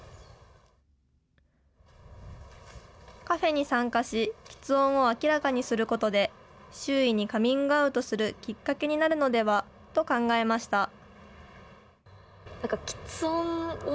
カフェに参加し、きつ音を明らかにすることで、周囲にカミングアウトするきっかけになるのではと考えました。